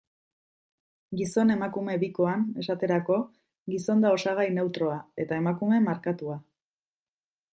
Gizon-emakume bikoan, esaterako, gizon da osagai neutroa, eta emakume markatua.